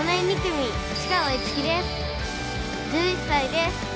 １１歳です。